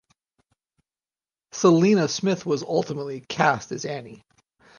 Celina Smith was ultimately cast as Annie.